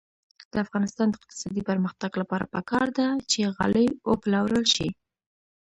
د افغانستان د اقتصادي پرمختګ لپاره پکار ده چې غالۍ وپلورل شي.